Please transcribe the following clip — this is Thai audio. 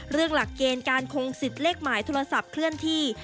หลักเกณฑ์การคงสิทธิ์เลขหมายโทรศัพท์เคลื่อนที่